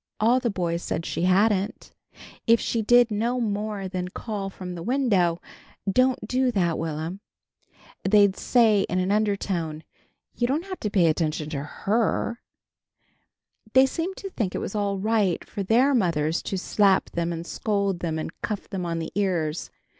All the boys said she hadn't. If she did no more than call from the window: "Don't do that, Will'm," they'd say in an undertone, "You don't have to pay any attention to her!" They seemed to think it was all right for their mothers to slap them and scold them and cuff them on the ears.